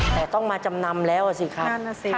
แต่ต้องมาจำนำแล้วสิครับ